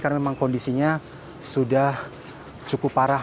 karena memang kondisinya sudah cukup parah